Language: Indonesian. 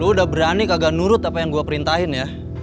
lo udah berani kagak nurut apa yang gue perintahin ya